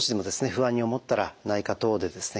不安に思ったら内科等でですね